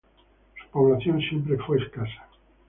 Su población siempre fue escasa.